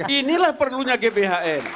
inilah perlunya gbhn